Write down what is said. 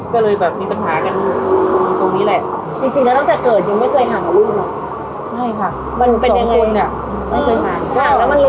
ก็เลยแบบมีปัญหากันตรงนี้แหละ